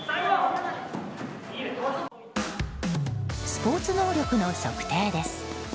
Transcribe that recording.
スポーツ能力の測定です。